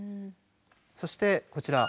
そしてこちら。